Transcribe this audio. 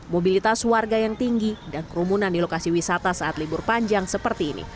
mobilitas warga yang tinggi dan kerumunan di lokasi wisata saat libur panjang seperti ini